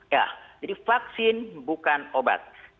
ya jadi vaksin bukan obat